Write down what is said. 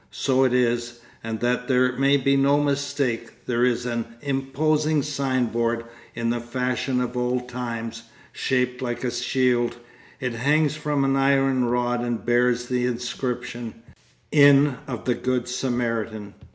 So it is, and that there may be no mistake, there is an imposing signboard in the fashion of old times. Shaped like a shield, it hangs from an iron rod and bears the inscription, "Inn of the Good Samaritan."